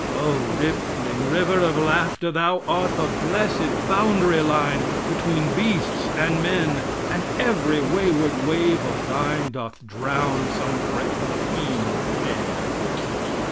O, rippling river of laughter; thou art the blessed boundary line between beasts and men, and every wayward wave of thine doth drown some fretful fiend of care.